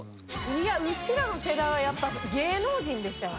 いやうちらの世代はやっぱ芸能人でしたよ